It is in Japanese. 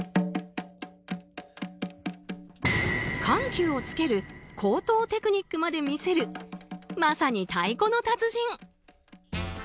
緩急をつける高等テクニックまで見せるまさに太鼓の達人。